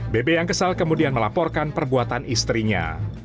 bebe yang kesal kemudian melaporkan perbuatan istrinya